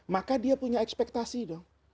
maka dia punya ekspektasi dong